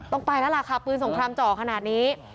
ไปแล้วล่ะค่ะปืนสงครามจ่อขนาดนี้